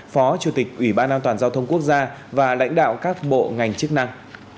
phó chủ tịch ủy ban an toàn giao thông quốc gia và lãnh đạo các bộ ngành chức năng